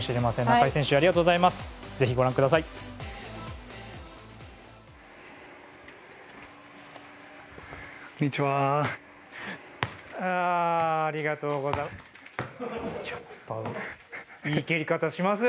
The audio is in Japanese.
中井選手ありがとうございます。